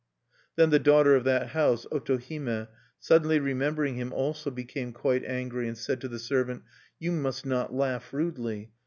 Then the daughter of that house, Otohime, suddenly remembering him, also became quite angry, and said to the servant: "You must not laugh rudely.